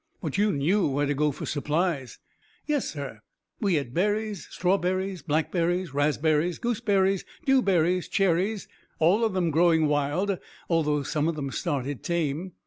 "But you knew where to go for supplies." "Yes, sir; we had berries, strawberries, blackberries, raspberries, gooseberries, dewberries, cherries, all of them growing wild although some of them started tame.